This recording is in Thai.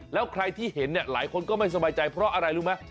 แล้วใครที่เห็นเนี่ยหลายคนก็ไม่สบายใจเพราะอะไรรู้ไหม